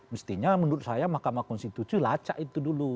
mestinya menurut saya mahkamah konstitusi lacak itu dulu